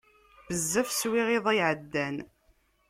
Bezzaf swiɣ iḍ-a iεeddan.